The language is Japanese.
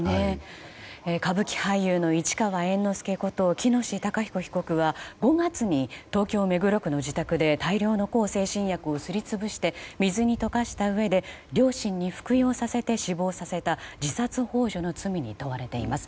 歌舞伎俳優の市川猿之助こと喜熨斗孝彦被告は５月に東京・目黒区の自宅で大量の向精神薬をすり潰して水に溶かしたうえで両親に服用させて死亡させた自殺幇助の罪に問われています。